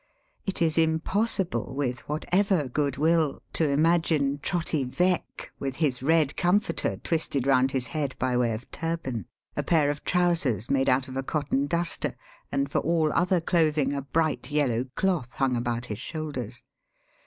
It is impossible, with whatever goodwill, to imagine Trotty Veck, with his red comforter twisted round his head by way of turban, a pair of trousers made out of a cotton duster, and, for all other clothing, a bright yellow cloth hung about his shoulders.